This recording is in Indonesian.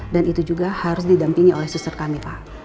dan itu juga harus didampingi oleh suster kami pak